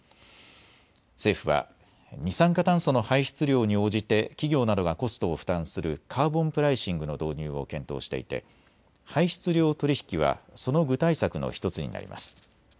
政府は二酸化炭素の排出量に応じて企業などがコストを負担するカーボンプライシングの導入を検討していて排出量取引はその具体策の１つになります。